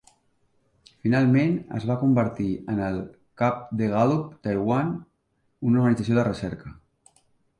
Finalment es va convertir en el cap de Gallup Taiwan, una organització de recerca.